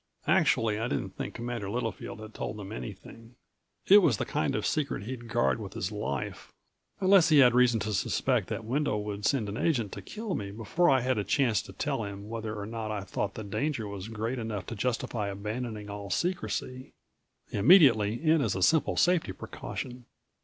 Actually, I didn't think Commander Littlefield had told them anything. It was the kind of secret he'd guard with his life, unless he'd had reason to suspect that Wendel would send an agent to kill me before I had a chance to tell him whether or not I thought the danger was great enough to justify abandoning all secrecy ... immediately and as a simple safety precaution.